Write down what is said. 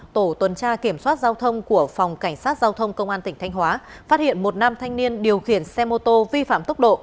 tổ tuần tra kiểm soát giao thông của phòng cảnh sát giao thông công an tỉnh thanh hóa phát hiện một nam thanh niên điều khiển xe mô tô vi phạm tốc độ